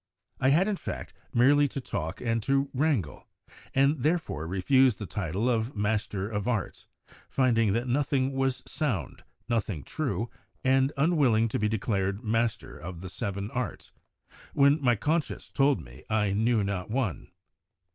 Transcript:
I had, in fact, merely to talk and to wrangle, and therefore refused the title of Master of Arts, finding that nothing was sound, nothing true, and unwilling to be declared master of the seven arts, when my conscience told me I knew not one.